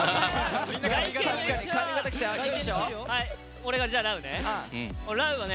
俺がじゃあラウね。